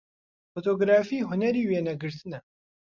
فۆتۆگرافی هونەری وێنەگرتنە